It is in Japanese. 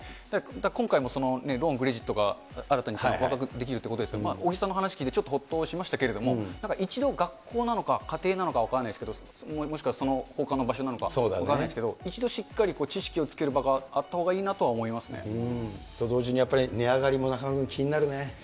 だから今回もローン、クレジットが新たに契約できるっていうことですけども、尾木さんの話聞いて、ちょっとほっとしましたけれども、なんか一度、学校なのか家庭なのか分からないですけど、もしかしたら、ほかの場所か分かんないですけど、一度しっかり知識をつける場があったほうがいいなとは思いますね。と同時に、値上がりもやっぱり中丸君、気になるね。